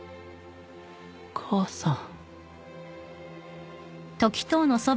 母さん